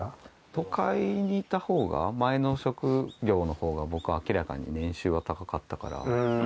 都会にいた方が前の職業の方が僕あきらかに年収は高かったから。